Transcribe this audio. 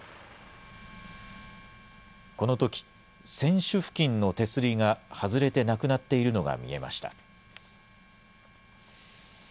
このとき、船首付近の手すりが外れてなくなっているのが見えました。